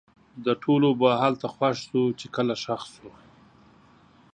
د ټولو به هلته خوښ شو؛ چې کله ښخ سو